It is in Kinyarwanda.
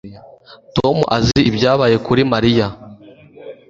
Tom azi ibyabaye kuri Mariya